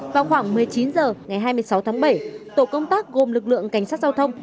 vào khoảng một mươi chín h ngày hai mươi sáu tháng bảy tổ công tác gồm lực lượng cảnh sát giao thông